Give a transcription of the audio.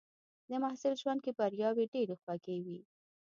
د محصل ژوند کې بریاوې ډېرې خوږې وي.